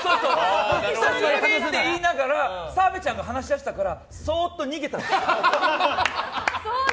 久しぶり！って言いながら澤部ちゃんと話し出したからそっと逃げたの。